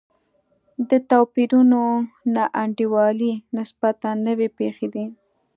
د توپیرونو نا انډولي نسبتا نوې پېښې دي.